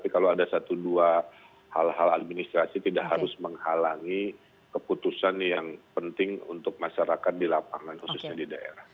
kalau ada satu dua hal hal administrasi tidak harus menghalangi keputusan yang penting untuk masyarakat di lapangan khususnya di daerah